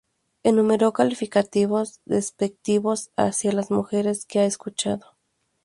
Enumeró calificativos despectivos hacia las mujeres que ha escuchado.